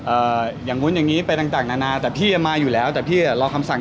อย่างนู้นอย่างงี้ไปต่างต่างนานาแต่พี่อ่ะมาอยู่แล้วแต่พี่อ่ะรอคำสั่ง